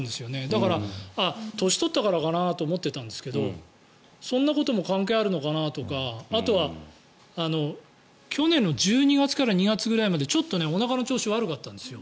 だから、年取ったからかなと思ってたんですけどそんなことも関係あるのかなとかあとは去年１２月から２月ぐらいまでちょっとおなかの調子が悪かったんですよ。